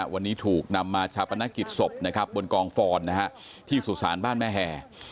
วันนี้ถูกนำมาชาปนักกิจศพบนกองฟรณ์ที่สุสานบ้านแม่แห่